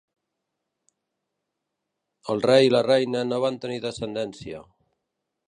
El Rei i la reina no van tenir descendència.